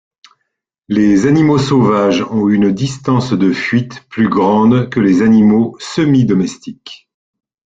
Les animaux sauvages ont une distance de fuite plus grande que les animaux semi-domestiques.